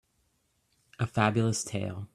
A Fabulous tale